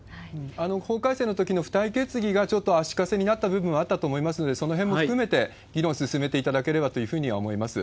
法改正のときの付帯決議がちょっと足かせになった部分はあったと思いますので、そのへんも含めて議論進めていただければというふうには思います。